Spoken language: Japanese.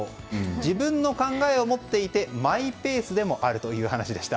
自分の考えを持っていてマイペースでもあるという話でした。